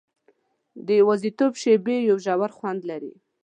د یوازیتوب شېبې یو ژور خوند لري.